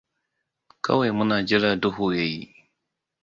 Kawai muna jira duhu ya yi.